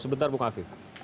sebentar bung afif